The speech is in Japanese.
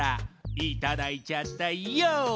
いただいちゃったヨー！